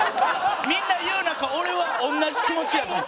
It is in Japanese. みんな言う中俺は同じ気持ちやと思う。